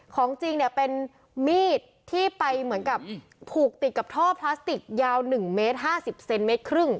ของจริงเนี่ยเป็นมีดที่ไปเหมือนกับผูกติดกับท่อพลาสติกยาว๑เมตร๕๐เซนเมตรครึ่ง